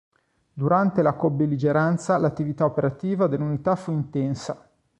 Durante la cobelligeranza l'attività operativa dell'unità fu intensa.